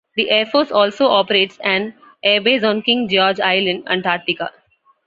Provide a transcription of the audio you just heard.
The Air Force also operates an airbase on King George Island, Antarctica.